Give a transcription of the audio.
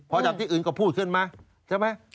พอจับที่อื่นก็พูดขึ้นมาเจฮะ